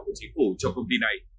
của chính phủ cho công ty này